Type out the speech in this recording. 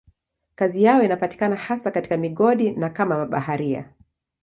Kazi yao inapatikana hasa katika migodi na kama mabaharia.